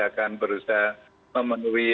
akan berusaha memenuhi